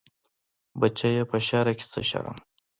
بچيه په شرع کې څه شرم.